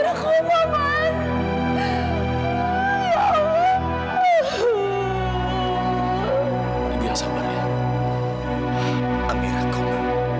ibu yang sabar ya amirah koma semua gara gara saya amirah amirah koma